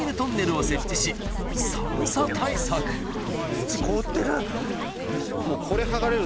土凍ってる。